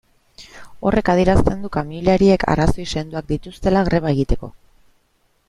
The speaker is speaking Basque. Horrek adierazten du kamioilariek arrazoi sendoak dituztela greba egiteko.